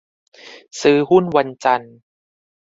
ซื้อหุ้นวันจันทร์